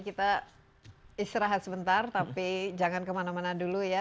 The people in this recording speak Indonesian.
kita istirahat sebentar tapi jangan kemana mana dulu ya